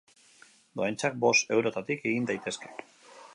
Dohaintzak bost eurotatik egin daitezke.